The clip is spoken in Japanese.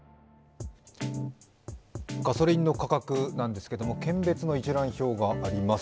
ガソリンの価格なんですけれども、県別の一覧表があります。